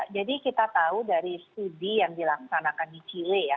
jadi kita tahu dari studi yang dilaksanakan di chile ya